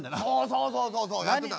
そうそうそうそうやってた。